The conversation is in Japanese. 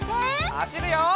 はしるよ！